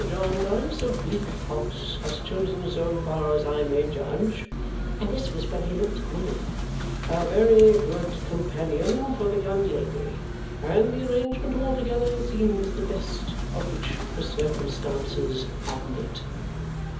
Jarndyce of Bleak House has chosen, so far as I may judge," and this was when he looked at me, "a very good companion for the young lady, and the arrangement altogether seems the best of which the circumstances admit."